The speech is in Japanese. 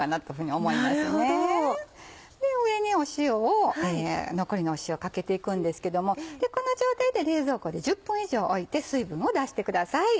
上に塩を残りの塩をかけていくんですけどもこの状態で冷蔵庫で１０分以上おいて水分を出してください。